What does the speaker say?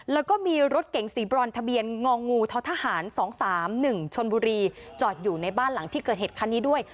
แล้วก็มีรถเก๋งสีบรอนทะเบียนงองูท้อทหาร๒๓๑ชนบุรีจอดอยู่ในบ้านหลังที่เกิดเหตุคันนี้ด้วย